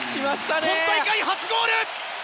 今大会初ゴール！